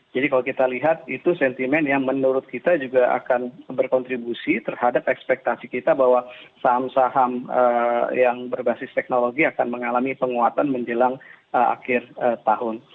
jadi kalau kita lihat itu sentimen yang menurut kita juga akan berkontribusi terhadap ekspektasi kita bahwa saham saham yang berbasis teknologi akan mengalami penguatan menjelang akhir tahun